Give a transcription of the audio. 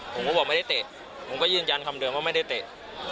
ผมก็บอกไม่ได้เตะผมก็ยืนยันคำเดิมว่าไม่ได้เตะ